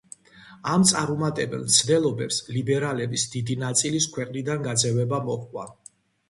ამ წარუმატებელ მცდელობებს ლიბერალების დიდი ნაწილის ქვეყნიდან გაძევება მოყვა.